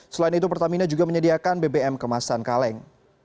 selain itu pertamina juga menyediakan bbm kemasan kaleng